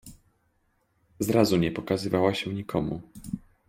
Zrazu nie pokazywała się nikomu.